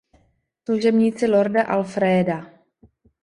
Služebníci Lorda Alfréda.